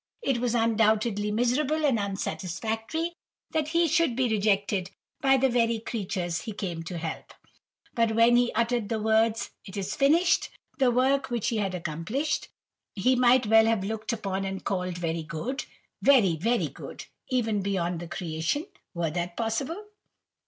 It was undoubtedly miserable and unsatisfactory that He should be rejected by the very creatures He came to help; but when He uttered the words 'It is finished,' the work which He had accomplished, He might well have looked upon and called very good: very very good; even beyond the creation, were that possible."